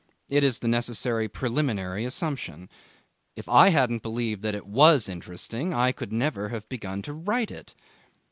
It is the necessary preliminary assumption. If I hadn't believed that it was interesting I could never have begun to write it.